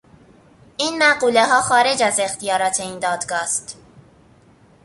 این مقولهها خارج از اختیارات این دادگاه است.